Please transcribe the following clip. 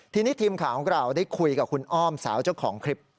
ทีนี้ทีมข่าวของเราได้คุยกับคุณอ้อมสาวเจ้าของคลิป